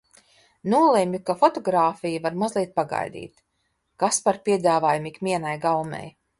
Nolemju, ka topogrāfija var mazliet pagaidīt. Kas par piedāvājumu ikvienai gaumei!